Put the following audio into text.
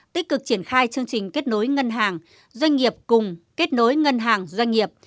tích cực triển khai chương trình kết nối ngân hàng doanh nghiệp cùng kết nối ngân hàng doanh nghiệp